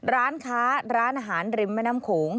ร้านค้าร้านอาหารริมแม่น้ำโขง